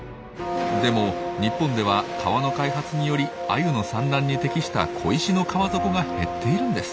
でも日本では川の開発によりアユの産卵に適した小石の川底が減っているんです。